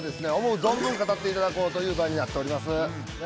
存分語っていただこうという場になっておりますねえ